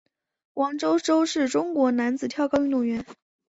王舟舟是中国男子跳高运动员。